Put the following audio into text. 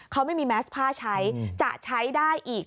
เขาไม่มีแมสผ้าใช้จะใช้ได้อีก